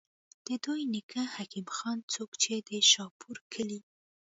د دوي نيکۀ حکيم خان، څوک چې د شاهپور کلي